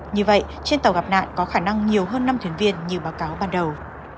như vậy trên tàu gặp nạn có khả năng nhiều hơn năm thuyền viên như báo cáo ban đầu